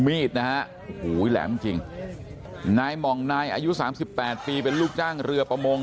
มีนะหูยแหลมจริงนายมองนายอายุ๓๘ปีเป็นลูกจ้างเรือประมง